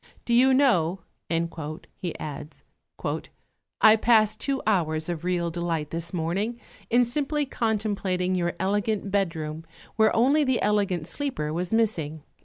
Do you know," he adds, "I passed two hours of real delight this morning in simply contemplating your elegant bedroom where only the elegant sleeper was missing."